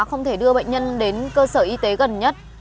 không thể đưa bệnh nhân đến cơ sở y tế gần nhất